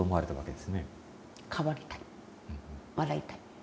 変わりたい。笑いたい。